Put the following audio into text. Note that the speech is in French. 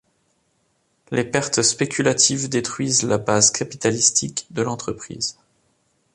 Les pertes spéculatives détruisent la base capitalistique de l’entreprise.